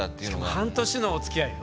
しかも半年のおつきあいよ。